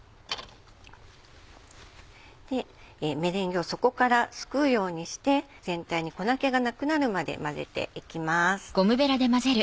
メレンゲを底からすくうようにして全体に粉気がなくなるまで混ぜていきます。